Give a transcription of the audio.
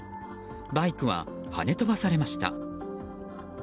バイクは跳ね飛ばされました。